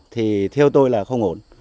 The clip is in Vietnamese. thì theo tôi là không ổn